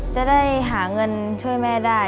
จะได้หาเงินช่วยแม่ได้